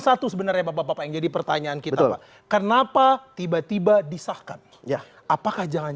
satu sebenarnya bapak bapak yang jadi pertanyaan kita pak kenapa tiba tiba disahkan ya apakah jangan